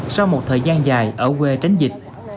sau một thời gian dài ở quê tránh dịch